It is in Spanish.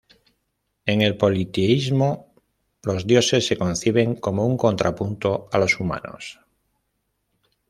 En el politeísmo los dioses se conciben como un contrapunto a los humanos.